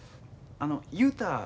あの雄太